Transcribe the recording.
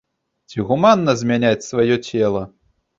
Ці гуманна змяняць сваё цела?